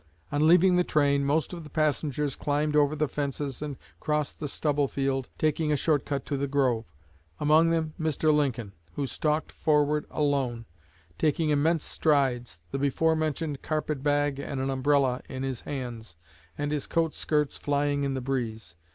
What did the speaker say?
On leaving the train, most of the passengers climbed over the fences and crossed the stubble field, taking a short cut to the grove, among them Mr. Lincoln, who stalked forward alone, taking immense strides, the before mentioned carpet bag and an umbrella in his hands, and his coat skirts flying in the breeze.